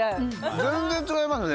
全然違いますね。